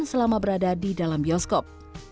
selama berada di dalam bioskop